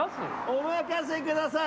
お任せください。